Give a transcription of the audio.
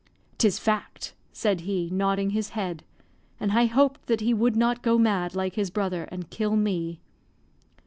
"'Tis fact," said he, nodding his head; and I hoped that he would not go mad, like his brother, and kill me.